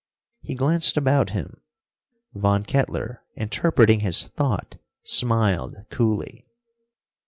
He glanced about him. Von Kettler, interpreting his thought, smiled coolly.